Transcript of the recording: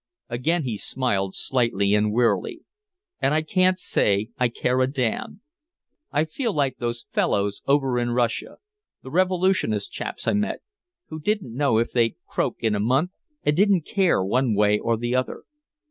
Again he smiled slightly and wearily. "And I can't say I care a damn. I feel like those fellows over in Russia, the revolutionist chaps I met, who didn't know if they'd croak in a month and didn't care one way or the other.